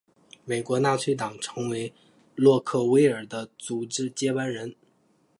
美国纳粹党成为洛克威尔的组织接班人。